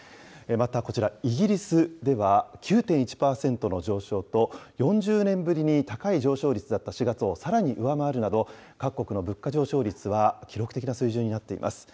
またこちら、イギリスでは９．１％の上昇と、４０年ぶりに高い上昇率だった４月をさらに上回るなど、各国の物価上昇率は記録的な水準になっています。